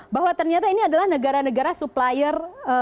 bahwa ternyata ini adalah negara negara supplier